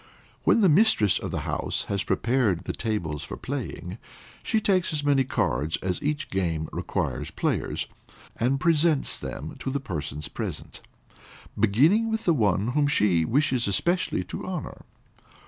When the mistress of the house has prepared the tables for playing, she takes as many cards as each game requires players, and presents them to the persons present, beginning with the one whom she wishes especially to honor.